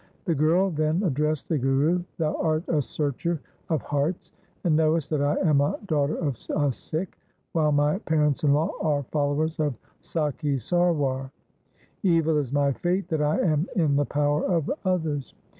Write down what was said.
The girl then addressed the Guru, ' Thou art a searcher of hearts, and knowest that I am a daughter of a Sikh, while my parents in law are followers of Sakhi Sarwar. Evil is my fate that I am in the power of others.